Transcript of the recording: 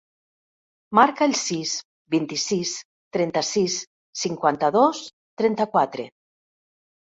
Marca el sis, vint-i-sis, trenta-sis, cinquanta-dos, trenta-quatre.